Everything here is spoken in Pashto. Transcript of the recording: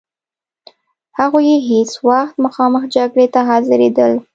هغوی هیڅ وخت مخامخ جګړې ته حاضرېدل.